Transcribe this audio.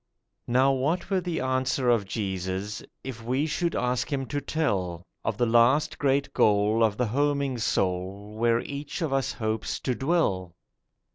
Now what were the answer of Jesus If we should ask Him to tell Of the last great goal of the homing soul Where each of us hopes to dwell?